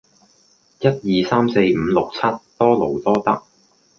一二三四五六七，多勞多得